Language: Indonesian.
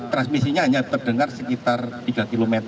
transmisinya hanya terdengar sekitar tiga km